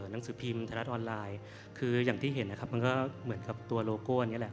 หนังสือพิมพ์ไทยรัฐออนไลน์คืออย่างที่เห็นนะครับมันก็เหมือนกับตัวโลโก้นี่แหละ